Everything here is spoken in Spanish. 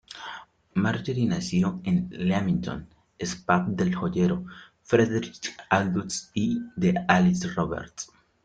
Marjorie nació en Leamington Spa del joyero, Frederick Augustus y de Alice Roberts.